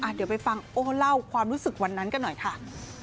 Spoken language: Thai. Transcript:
เดี๋ยวไปฟังโอ้เล่าความรู้สึกวันนั้นกันหน่อยค่ะ